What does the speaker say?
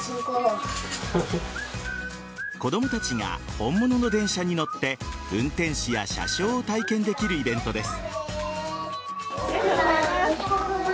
子供たちが本物の電車に乗って運転士や車掌を体験できるイベントです。